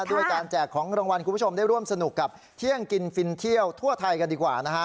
ด้วยการแจกของรางวัลคุณผู้ชมได้ร่วมสนุกกับเที่ยงกินฟินเที่ยวทั่วไทยกันดีกว่านะฮะ